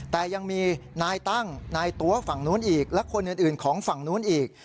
แต่ยังมีนายตั้งนายตัวฝั่งนู้นอีกและคนอื่นของฝั่งนู้นอีก